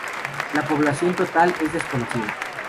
La población total es desconocida.